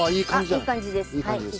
いい感じですね。